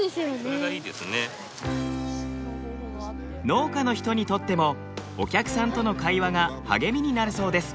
農家の人にとってもお客さんとの会話が励みになるそうです。